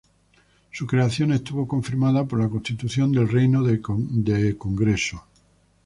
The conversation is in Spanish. Su creación estuvo confirmada por la Constitución del Reino de Congreso.